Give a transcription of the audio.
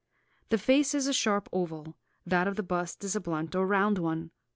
The face is a sharp oval, that of the bust is a blunt or round one.